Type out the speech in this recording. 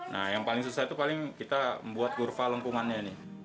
nah yang paling susah itu paling kita buat kurva lengkungannya nih